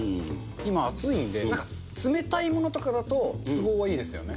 今暑いんで、なんか冷たいものとかだと、都合がいいですよね。